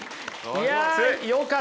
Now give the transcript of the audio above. いやよかった。